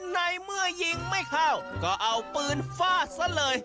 ในเมื่อยิงไม่เข้าก็เอาปืนฟาดซะเลย